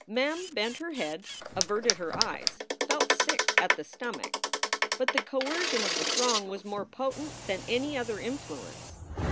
Mem bent her head, averted her eyes, felt sick at the stomach. But the coercion of the throng was more potent than any other influence.